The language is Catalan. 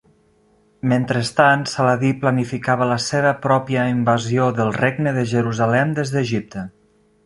Mentrestant, Saladí planificava la seva pròpia invasió del Regne de Jerusalem des d'Egipte.